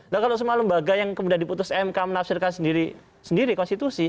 dan kalau semua lembaga yang kemudian diputus mk menafsirkan sendiri konstitusi